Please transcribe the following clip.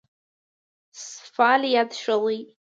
فعالیت ښه دی.